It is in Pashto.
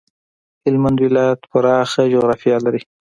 هلمند ولایت پراخه جغرافيه لري.